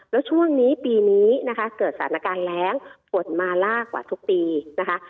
แล้วช่วงนี้ปีนี้นะคะเกิดสถานการณ์แรงฝนมามากกว่าทุกปีนะคะ